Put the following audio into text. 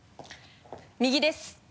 右です。